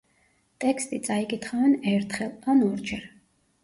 ტექსტი წაიკითხავენ ერთხელ, ან ორჯერ.